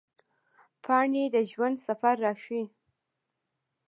پاڼې د ژوند سفر راښيي